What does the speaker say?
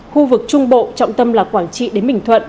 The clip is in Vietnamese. khu vực trung bộ trọng tâm là quảng trị đến bình thuận